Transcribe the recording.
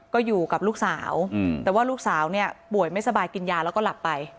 ก็อยู่กับลูกสาวแต่ว่าลูกสาวเนี่ยป่วยไม่สบายกินยาแล้วก็หลับไป